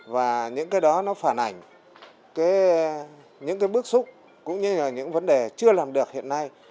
và những cái đó nó phản ảnh những cái bước xúc cũng như là những vấn đề chưa làm được hiện nay